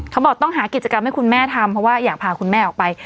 เขาบอกต้องหากิจกรรมให้คุณแม่ทำเพราะว่าอยากพาคุณแม่ออกไป